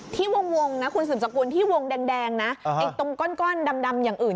ที่วงนะคุณสืบสกุลที่วงแดงนะไอ้ตรงก้อนดำอย่างอื่น